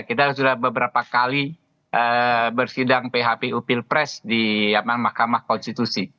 kita sudah beberapa kali bersidang phpu pilpres di mahkamah konstitusi